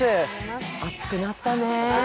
暑くなったね。